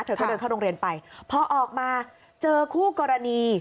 เธอก็เดินเข้าโรงเรียนไปพอออกมาเจอคู่กรณี